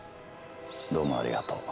・どうもありがとう。